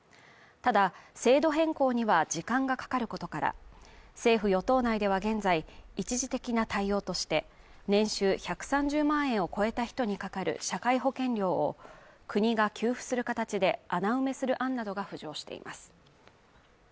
ただ制度変更には時間がかかることから政府与党内では現在一時的な対応として年収１３０万円を超えた人にかかる社会保険料を国が給付する形で穴埋めする案などが浮上しています